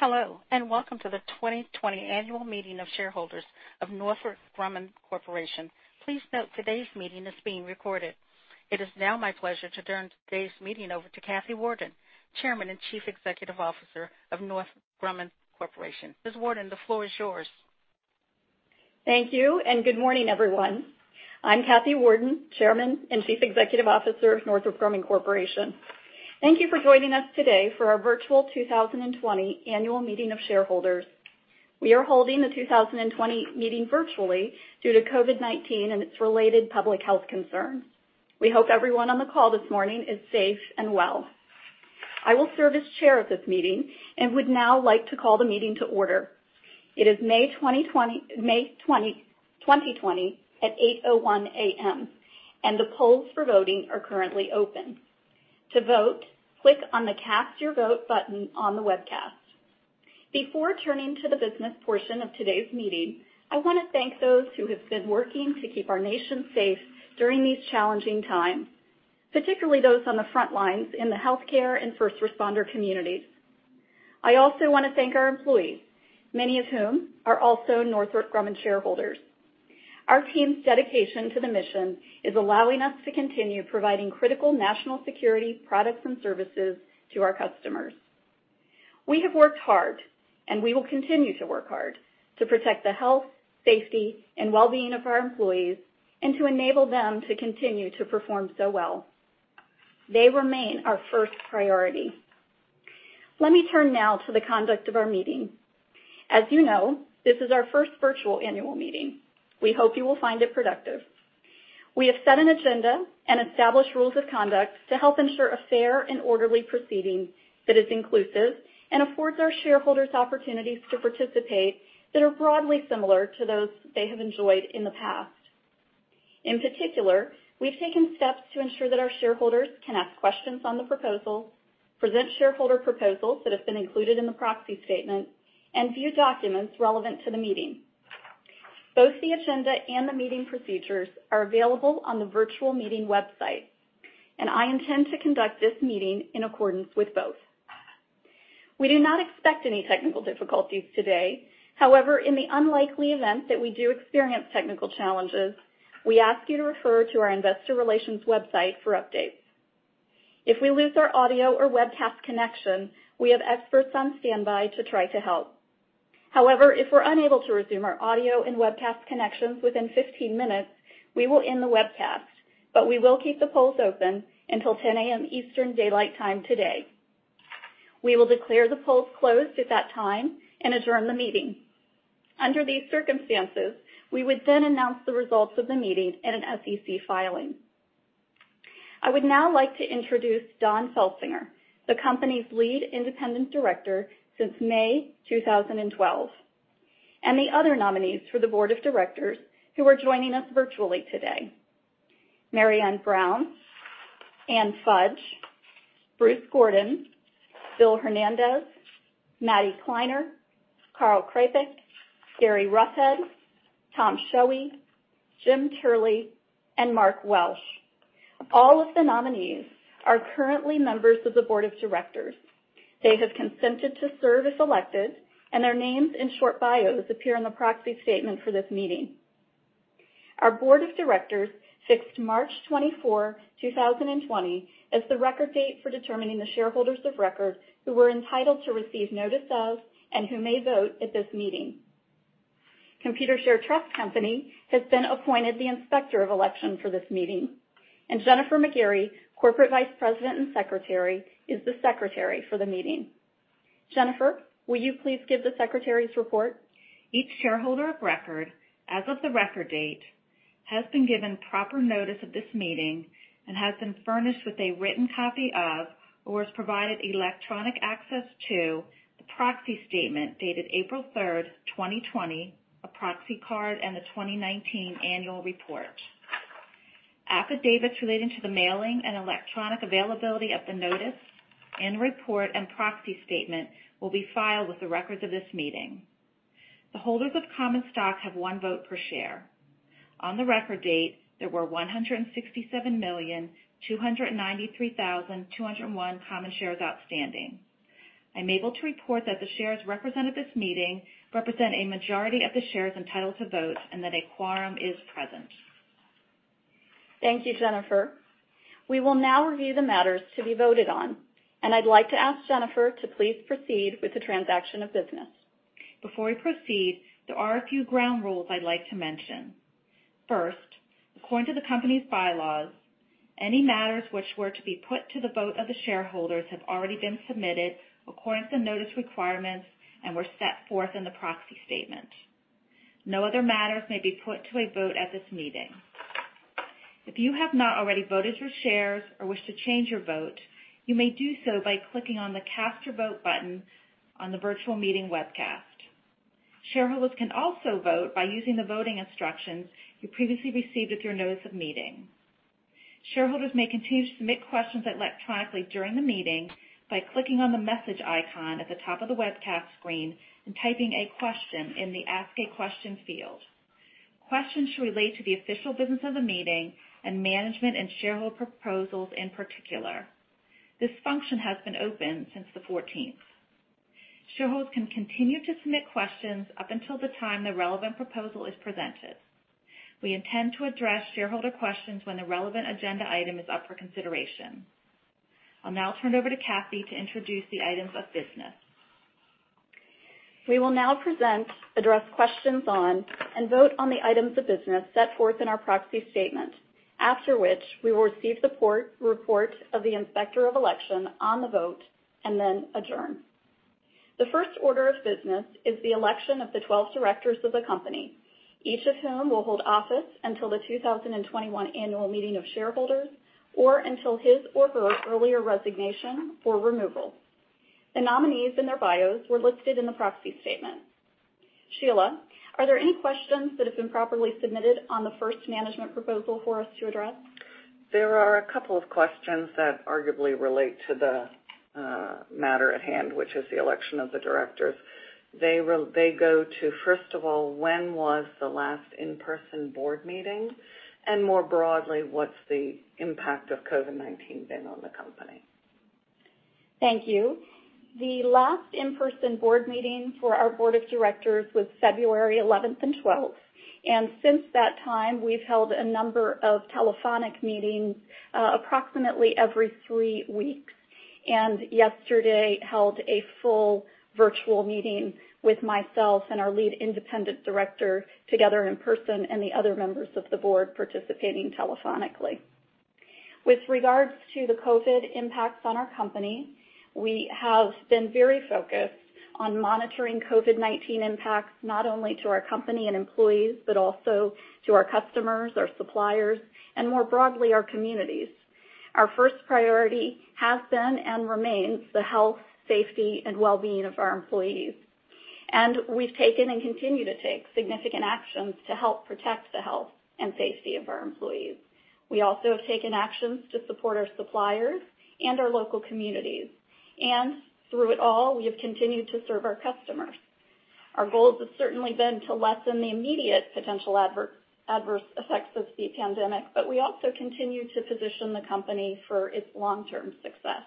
Hello, and welcome to the 2020 annual meeting of shareholders of Northrop Grumman Corporation. Please note, today's meeting is being recorded. It is now my pleasure to turn today's meeting over to Kathy Warden, Chairman and Chief Executive Officer of Northrop Grumman Corporation. Ms. Warden, the floor is yours. Thank you, and good morning, everyone. I'm Kathy Warden, Chairman and Chief Executive Officer of Northrop Grumman Corporation. Thank you for joining us today for our virtual 2020 annual meeting of shareholders. We are holding the 2020 meeting virtually due to COVID-19 and its related public health concerns. We hope everyone on the call this morning is safe and well. I will serve as chair of this meeting and would now like to call the meeting to order. It is May 2020 at 8:01 A.M., and the polls for voting are currently open. To vote, click on the Cast Your Vote button on the webcast. Before turning to the business portion of today's meeting, I want to thank those who have been working to keep our nation safe during these challenging times, particularly those on the front lines in the healthcare and first responder communities. I also want to thank our employees, many of whom are also Northrop Grumman shareholders. Our team's dedication to the mission is allowing us to continue providing critical national security products and services to our customers. We have worked hard, and we will continue to work hard to protect the health, safety, and well-being of our employees and to enable them to continue to perform so well. They remain our first priority. Let me turn now to the conduct of our meeting. As you know, this is our first virtual annual meeting. We hope you will find it productive. We have set an agenda and established rules of conduct to help ensure a fair and orderly proceeding that is inclusive and affords our shareholders opportunities to participate that are broadly similar to those they have enjoyed in the past. In particular, we've taken steps to ensure that our shareholders can ask questions on the proposals, present shareholder proposals that have been included in the proxy statement, and view documents relevant to the meeting. Both the agenda and the meeting procedures are available on the virtual meeting website, and I intend to conduct this meeting in accordance with both. We do not expect any technical difficulties today. However, in the unlikely event that we do experience technical challenges, we ask you to refer to our investor relations website for updates. If we lose our audio or webcast connection, we have experts on standby to try to help. However, if we're unable to resume our audio and webcast connections within 15 minutes, we will end the webcast. We will keep the polls open until 10:00 A.M. Eastern Daylight Time today. We will declare the polls closed at that time and adjourn the meeting. Under these circumstances, we would then announce the results of the meeting in an SEC filing. I would now like to introduce Don Felsinger, the company's Lead Independent Director since May 2012. The other nominees for the Board of Directors who are joining us virtually today: Marianne Brown, Ann Fudge, Bruce Gordon, Bill Hernandez, Maddy Kleiner, Karl Krapek, Gary Roughead, Tom Schoewe, Jim Turley, and Mark Welsh. All of the nominees are currently members of the Board of Directors. They have consented to serve if elected, and their names and short bios appear in the proxy statement for this meeting. Our Board of Directors fixed March 24, 2020, as the record date for determining the shareholders of record who were entitled to receive notice of and who may vote at this meeting. Computershare Trust Company has been appointed the Inspector of Election for this meeting, and Jennifer McGarey, Corporate Vice President and Secretary, is the Secretary for the meeting. Jennifer, will you please give the secretary's report? Each shareholder of record, as of the record date, has been given proper notice of this meeting and has been furnished with a written copy of or has provided electronic access to the proxy statement dated April 3rd, 2020, a proxy card, and the 2019 annual report. Affidavits relating to the mailing and electronic availability of the notice and report and proxy statement will be filed with the records of this meeting. The holders of common stock have one vote per share. On the record date, there were 167,293,201 common shares outstanding. I'm able to report that the shares represented at this meeting represent a majority of the shares entitled to vote and that a quorum is present. Thank you, Jennifer. We will now review the matters to be voted on, and I'd like to ask Jennifer to please proceed with the transaction of business. Before we proceed, there are a few ground rules I'd like to mention. First, according to the company's bylaws, any matters which were to be put to the vote of the shareholders have already been submitted according to notice requirements and were set forth in the proxy statement. No other matters may be put to a vote at this meeting. If you have not already voted your shares or wish to change your vote, you may do so by clicking on the Cast Your Vote button on the virtual meeting webcast. Shareholders can also vote by using the voting instructions you previously received with your notice of meeting. Shareholders may continue to submit questions electronically during the meeting by clicking on the message icon at the top of the webcast screen and typing a question in the Ask A Question field. Questions should relate to the official business of the meeting and management and shareholder proposals in particular. This function has been open since the 14th. Shareholders can continue to submit questions up until the time the relevant proposal is presented. We intend to address shareholder questions when the relevant agenda item is up for consideration. I'll now turn it over to Kathy to introduce the items of business. We will now present, address questions on, and vote on the items of business set forth in our proxy statement. After which, we will receive the report of the Inspector of Election on the vote and then adjourn. The first order of business is the election of the 12 directors of the company, each of whom will hold office until the 2021 annual meeting of shareholders, or until his or her earlier resignation or removal. The nominees and their bios were listed in the proxy statement. Sheila, are there any questions that have been properly submitted on the first management proposal for us to address? There are a couple of questions that arguably relate to the matter at hand, which is the election of the directors. They go to, first of all, when was the last in-person board meeting? More broadly, what's the impact of COVID-19 been on the company? Thank you. The last in-person board meeting for our board of directors was February 11th and 12th. Since that time, we've held a number of telephonic meetings approximately every three weeks. Yesterday, held a full virtual meeting with myself and our Lead Independent Director together in person, and the other members of the board participating telephonically. With regards to the COVID impacts on our company, we have been very focused on monitoring COVID-19 impacts, not only to our company and employees, but also to our customers, our suppliers, and more broadly, our communities. Our first priority has been and remains the health, safety, and well-being of our employees. We've taken and continue to take significant actions to help protect the health and safety of our employees. We also have taken actions to support our suppliers and our local communities. Through it all, we have continued to serve our customers. Our goal has certainly been to lessen the immediate potential adverse effects of the pandemic, but we also continue to position the company for its long-term success.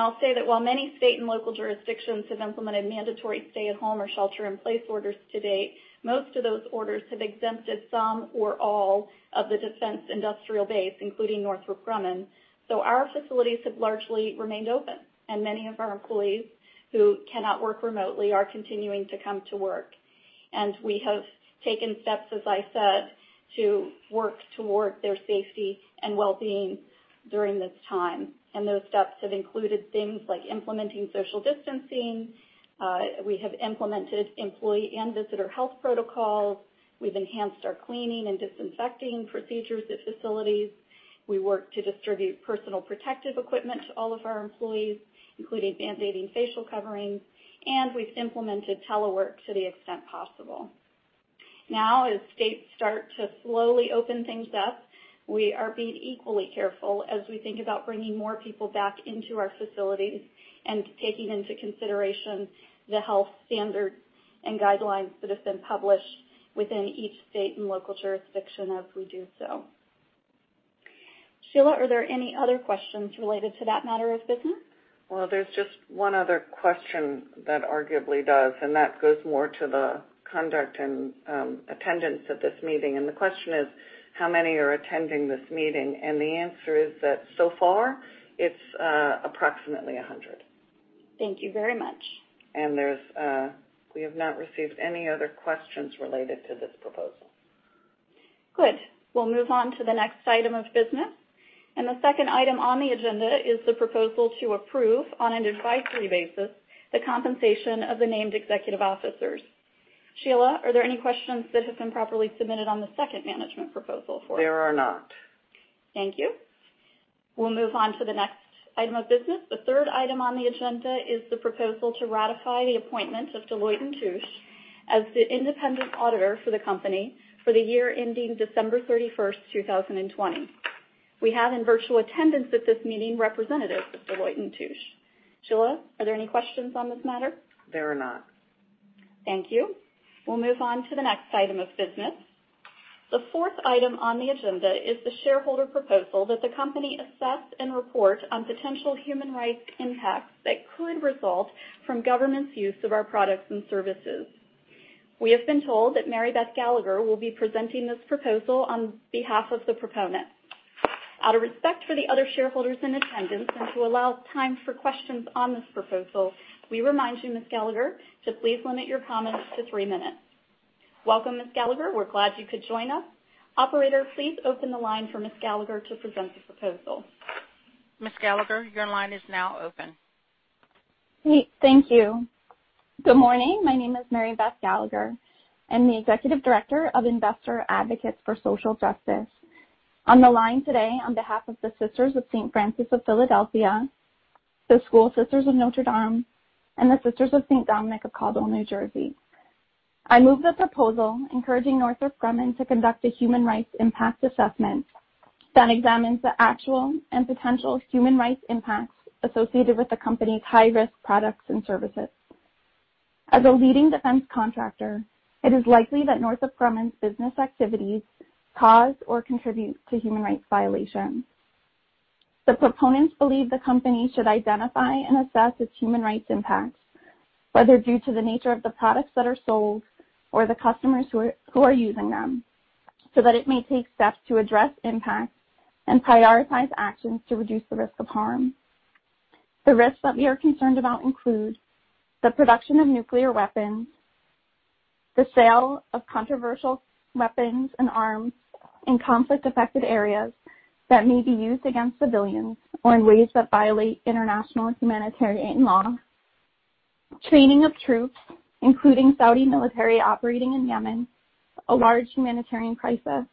I'll say that while many state and local jurisdictions have implemented mandatory stay-at-home or shelter-in-place orders to date, most of those orders have exempted some or all of the defense industrial base, including Northrop Grumman. Our facilities have largely remained open, and many of our employees who cannot work remotely are continuing to come to work. We have taken steps, as I said, to work toward their safety and well-being during this time. Those steps have included things like implementing social distancing. We have implemented employee and visitor health protocols. We've enhanced our cleaning and disinfecting procedures at facilities. We work to distribute personal protective equipment to all of our employees, including mandating facial coverings, and we've implemented telework to the extent possible. Now, as states start to slowly open things up, we are being equally careful as we think about bringing more people back into our facilities and taking into consideration the health standards and guidelines that have been published within each state and local jurisdiction as we do so. Sheila, are there any other questions related to that matter of business? Well, there's just one other question that arguably does, and that goes more to the conduct and attendance at this meeting. The question is, how many are attending this meeting? The answer is that so far, it's approximately 100. Thank you very much. We have not received any other questions related to this proposal. Good. We'll move on to the next item of business. The second item on the agenda is the proposal to approve, on an advisory basis, the compensation of the named executive officers. Sheila, are there any questions that have been properly submitted on the second management proposal for us? There are not. Thank you. We'll move on to the next item of business. The third item on the agenda is the proposal to ratify the appointment of Deloitte & Touche as the independent auditor for the company for the year ending December 31st, 2020. We have in virtual attendance at this meeting representatives of Deloitte & Touche. Sheila, are there any questions on this matter? There are not. Thank you. We'll move on to the next item of business. The fourth item on the agenda is the shareholder proposal that the company assess and report on potential human rights impacts that could result from governments' use of our products and services. We have been told that Mary Beth Gallagher will be presenting this proposal on behalf of the proponent. Out of respect for the other shareholders in attendance and to allow time for questions on this proposal, we remind you, Ms. Gallagher, to please limit your comments to three minutes. Welcome, Ms. Gallagher. We're glad you could join us. Operator, please open the line for Ms. Gallagher to present the proposal. Ms. Gallagher, your line is now open. Thank you. Good morning. My name is Mary Beth Gallagher. I'm the Executive Director of Investor Advocates for Social Justice. On the line today on behalf of the Sisters of St. Francis of Philadelphia, the School Sisters of Notre Dame, and the Sisters of St. Dominic of Caldwell, New Jersey. I move the proposal encouraging Northrop Grumman to conduct a human rights impact assessment that examines the actual and potential human rights impacts associated with the company's high-risk products and services. As a leading defense contractor, it is likely that Northrop Grumman's business activities cause or contribute to human rights violations. The proponents believe the company should identify and assess its human rights impacts, whether due to the nature of the products that are sold or the customers who are using them, so that it may take steps to address impacts and prioritize actions to reduce the risk of harm. The risks that we are concerned about include the production of nuclear weapons, the sale of controversial weapons and arms in conflict-affected areas that may be used against civilians or in ways that violate international humanitarian law, training of troops, including Saudi military operating in Yemen, a large humanitarian crisis,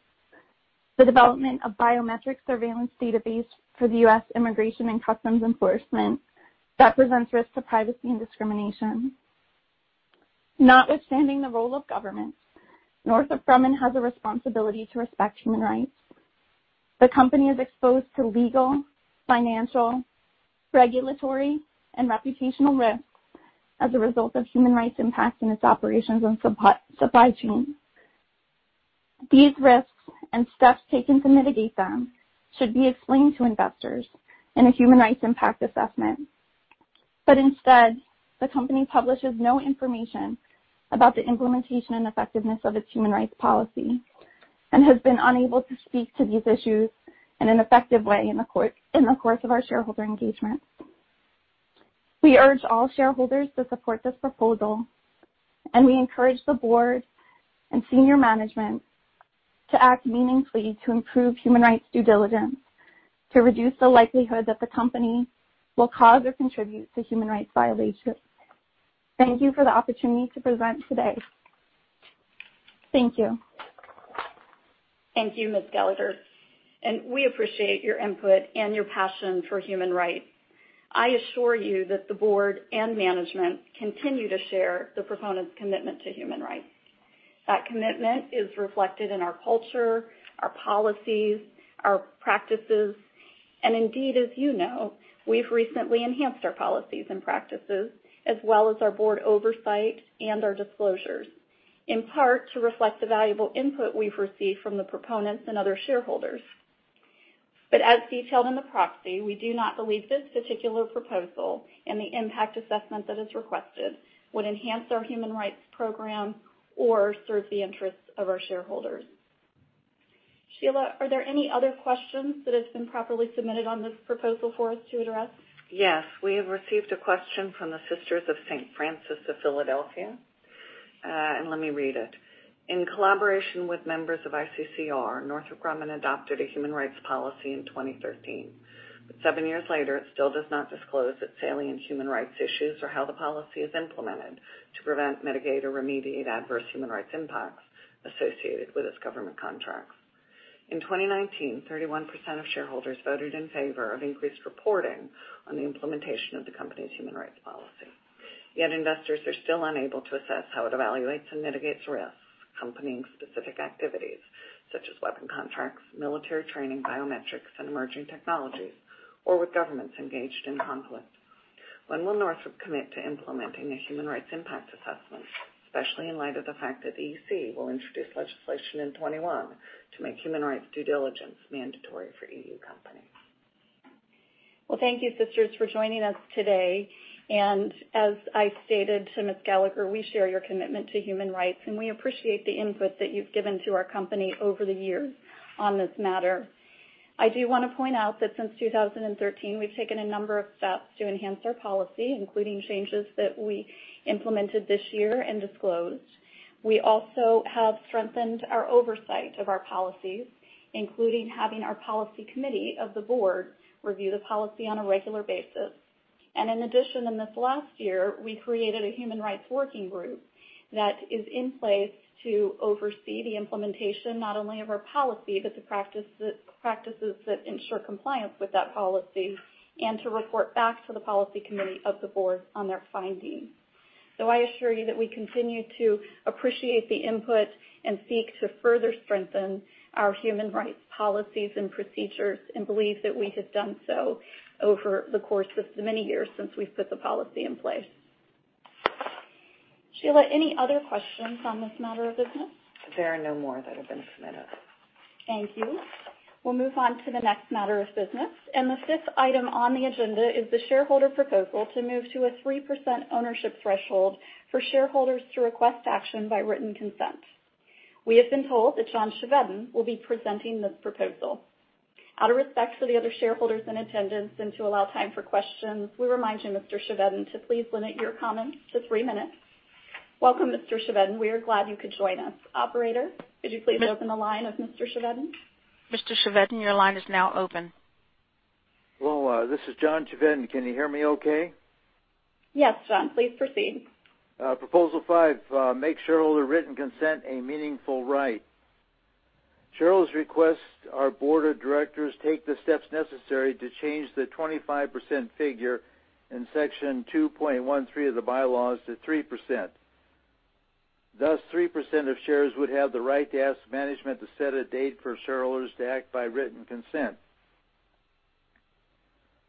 the development of biometric surveillance database for the U.S. Immigration and Customs Enforcement that presents risks to privacy and discrimination. Notwithstanding the role of governments, Northrop Grumman has a responsibility to respect human rights. The company is exposed to legal, financial, regulatory, and reputational risks as a result of human rights impacting its operations and supply chain. These risks and steps taken to mitigate them should be explained to investors in a human rights impact assessment. Instead, the company publishes no information about the implementation and effectiveness of its human rights policy and has been unable to speak to these issues in an effective way in the course of our shareholder engagement. We urge all shareholders to support this proposal, and we encourage the board and senior management to act meaningfully to improve human rights due diligence to reduce the likelihood that the company will cause or contribute to human rights violations. Thank you for the opportunity to present today. Thank you. Thank you, Ms. Gallagher. We appreciate your input and your passion for human rights. I assure you that the board and management continue to share the proponents' commitment to human rights. That commitment is reflected in our culture, our policies, our practices, and indeed, as you know, we've recently enhanced our policies and practices as well as our board oversight and our disclosures, in part to reflect the valuable input we've received from the proponents and other shareholders. As detailed in the proxy, we do not believe this particular proposal and the impact assessment that is requested would enhance our human rights program or serve the interests of our shareholders. Sheila, are there any other questions that have been properly submitted on this proposal for us to address? Yes. We have received a question from the Sisters of St. Francis of Philadelphia, let me read it. In collaboration with members of ICCR, Northrop Grumman adopted a human rights policy in 2013. Seven years later, it still does not disclose its failing in human rights issues or how the policy is implemented to prevent, mitigate, or remediate adverse human rights impacts associated with its government contracts. In 2019, 31% of shareholders voted in favor of increased reporting on the implementation of the company's human rights policy. Investors are still unable to assess how it evaluates and mitigates risks accompanying specific activities such as weapon contracts, military training, biometrics, and emerging technologies, or with governments engaged in conflict. When will Northrop commit to implementing a human rights impact assessment, especially in light of the fact that the EC will introduce legislation in 2021 to make human rights due diligence mandatory for EU companies? Well, thank you, Sisters, for joining us today, and as I stated to Ms. Gallagher, we share your commitment to human rights, and we appreciate the input that you've given to our company over the years on this matter. I do want to point out that since 2013, we've taken a number of steps to enhance our policy, including changes that we implemented this year and disclosed. We also have strengthened our oversight of our policies, including having our Policy Committee of the Board review the policy on a regular basis. In addition, in this last year, we created a Human Rights Working Group that is in place to oversee the implementation not only of our policy, but the practices that ensure compliance with that policy and to report back to the Policy Committee of the Board on their findings. I assure you that we continue to appreciate the input and seek to further strengthen our human rights policies and procedures and believe that we have done so over the course of the many years since we've put the policy in place. Sheila, any other questions on this matter of business? There are no more that have been submitted. Thank you. We'll move on to the next matter of business. The fifth item on the agenda is the shareholder proposal to move to a 3% ownership threshold for shareholders to request action by written consent. We have been told that John Chevedden will be presenting this proposal. Out of respect for the other shareholders in attendance and to allow time for questions, we remind you, Mr. Chevedden, to please limit your comments to three minutes. Welcome, Mr. Chevedden. We are glad you could join us. Operator, could you please open the line of Mr. Chevedden? Mr. Chevedden, your line is now open. Hello, this is John Chevedden. Can you hear me okay? Yes, John. Please proceed. Proposal five, make shareholder written consent a meaningful right. Shareholders request our board of directors take the steps necessary to change the 25% figure in Section 2.13 of the bylaws to 3%. Thus, 3% of shares would have the right to ask management to set a date for shareholders to act by written consent.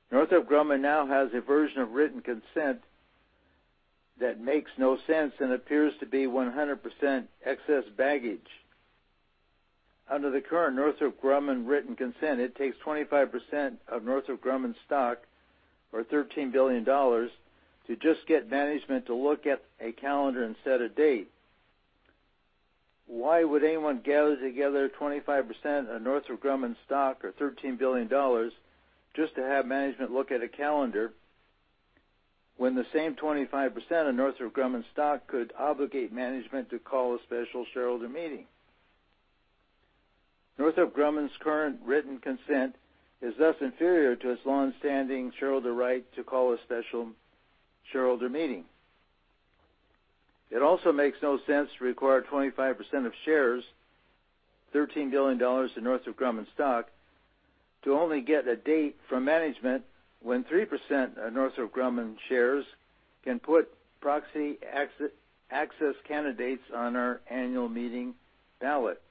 Northrop Grumman now has a version of written consent that makes no sense and appears to be 100% excess baggage. Under the current Northrop Grumman written consent, it takes 25% of Northrop Grumman stock, or $13 billion, to just get management to look at a calendar and set a date. Why would anyone gather together 25% of Northrop Grumman stock, or $13 billion, just to have management look at a calendar when the same 25% of Northrop Grumman stock could obligate management to call a special shareholder meeting? Northrop Grumman's current written consent is thus inferior to its longstanding shareholder right to call a special shareholder meeting. It also makes no sense to require 25% of shares, $13 billion in Northrop Grumman stock, to only get a date from management when 3% of Northrop Grumman shares can put proxy access candidates on our annual meeting ballot.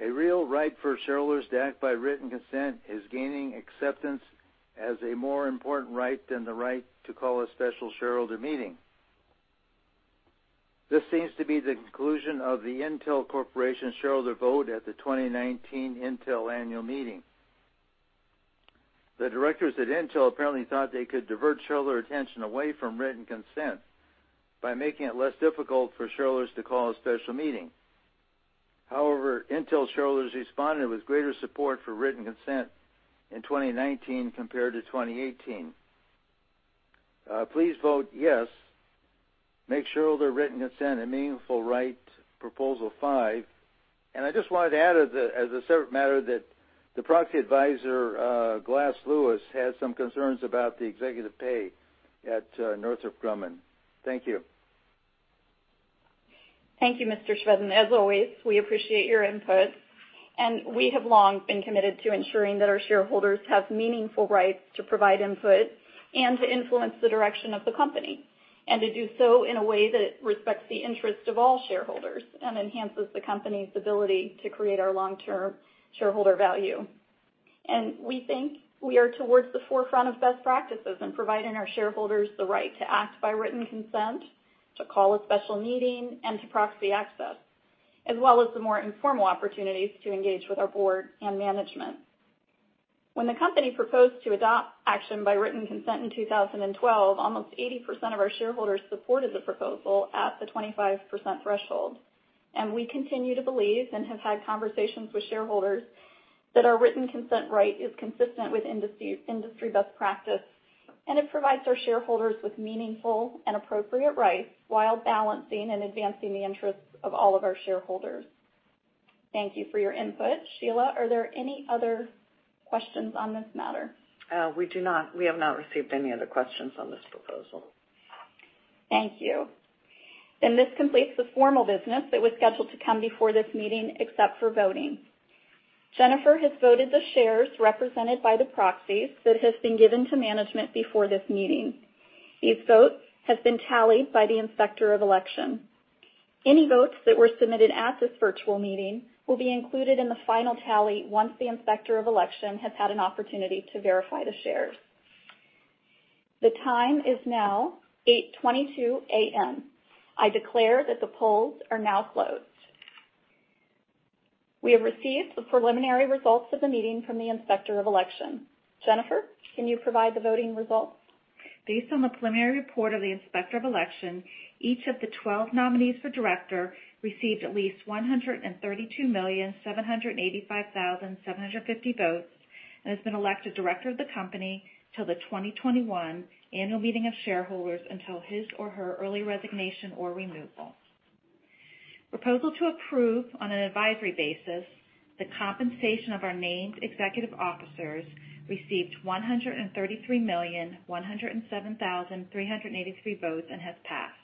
A real right for shareholders to act by written consent is gaining acceptance as a more important right than the right to call a special shareholder meeting. This seems to be the conclusion of the Intel Corporation shareholder vote at the 2019 Intel annual meeting. The directors at Intel apparently thought they could divert shareholder attention away from written consent by making it less difficult for shareholders to call a special meeting. However, Intel shareholders responded with greater support for written consent in 2019 compared to 2018. Please vote yes, make shareholder written consent a meaningful right, proposal five. I just wanted to add, as a separate matter, that the proxy advisor, Glass Lewis, has some concerns about the executive pay at Northrop Grumman. Thank you. Thank you, Mr. Chevedden. As always, we appreciate your input. We have long been committed to ensuring that our shareholders have meaningful rights to provide input and to influence the direction of the company, and to do so in a way that respects the interest of all shareholders and enhances the company's ability to create our long-term shareholder value. We think we are towards the forefront of best practices in providing our shareholders the right to act by written consent, to call a special meeting, and to proxy access, as well as the more informal opportunities to engage with our board and management. When the company proposed to adopt action by written consent in 2012, almost 80% of our shareholders supported the proposal at the 25% threshold. We continue to believe, and have had conversations with shareholders, that our written consent right is consistent with industry best practice, and it provides our shareholders with meaningful and appropriate rights while balancing and advancing the interests of all of our shareholders. Thank you for your input. Sheila, are there any other questions on this matter? We do not. We have not received any other questions on this proposal. Thank you. This completes the formal business that was scheduled to come before this meeting, except for voting. Jennifer has voted the shares represented by the proxies that has been given to management before this meeting. These votes have been tallied by the Inspector of Election. Any votes that were submitted at this virtual meeting will be included in the final tally once the Inspector of Election has had an opportunity to verify the shares. The time is now 8:22 A.M. I declare that the polls are now closed. We have received the preliminary results of the meeting from the Inspector of Election. Jennifer, can you provide the voting results? Based on the preliminary report of the Inspector of Election, each of the 12 nominees for director received at least 132,785,750 votes and has been elected director of the company till the 2021 annual meeting of shareholders until his or her early resignation or removal. Proposal to approve on an advisory basis the compensation of our named executive officers received 133,107,383 votes and has passed.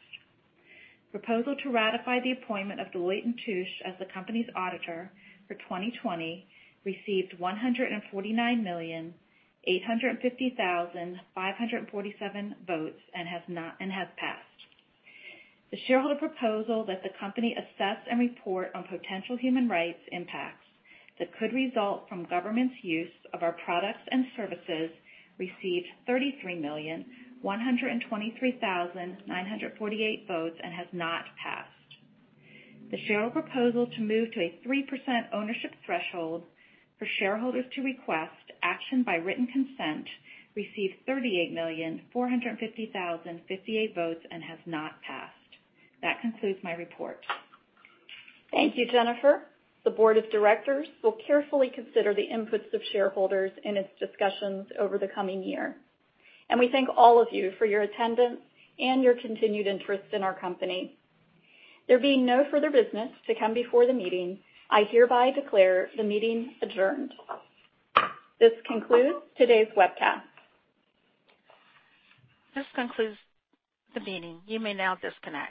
Proposal to ratify the appointment of Deloitte & Touche LLP as the company's auditor for 2020 received 149,850,547 votes and has passed. The shareholder proposal that the company assess and report on potential human rights impacts that could result from governments' use of our products and services received 33,123,948 votes and has not passed. The shareholder proposal to move to a 3% ownership threshold for shareholders to request action by written consent received 38,450,058 votes and has not passed. That concludes my report. Thank you, Jennifer. The board of directors will carefully consider the inputs of shareholders in its discussions over the coming year. We thank all of you for your attendance and your continued interest in our company. There being no further business to come before the meeting, I hereby declare the meeting adjourned. This concludes today's webcast. This concludes the meeting. You may now disconnect.